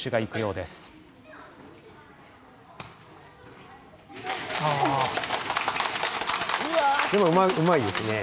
うまいですね。